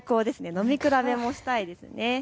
飲み比べもしたいですね。